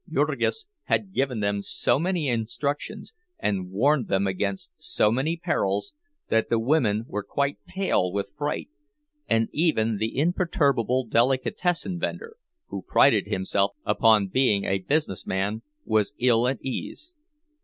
Jurgis had given them so many instructions and warned them against so many perils, that the women were quite pale with fright, and even the imperturbable delicatessen vender, who prided himself upon being a businessman, was ill at ease.